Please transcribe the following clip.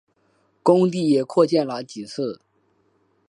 工厂也扩建了几次。